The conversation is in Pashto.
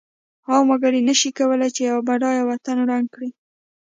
عام وګړی نشی کولای چې یو بډایه وطن ړنګ کړی.